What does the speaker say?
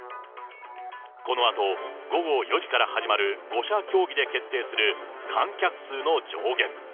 このあと午後４時から始まる５者協議で決定する観客数の上限。